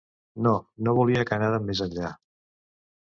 No, no volia que anàrem més enllà.